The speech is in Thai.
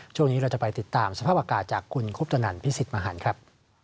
ช่วงนี้เราจะไปติดตามสภาพอากาศจากคุณคุปตนันพิสิทธิ์มหันครับ